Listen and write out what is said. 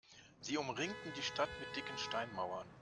Sie umringten die Stadt mit dicken Steinmauern.